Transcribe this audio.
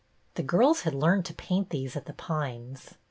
The girls had learned to paint these at The Pines.